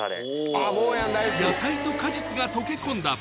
野菜と果実が溶け込んだ